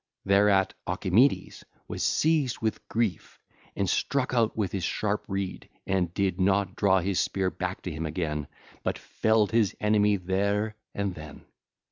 Thereat Ocimides was seized with grief, and struck out with his sharp reed and did not draw his spear back to him again, but felled his enemy there and then.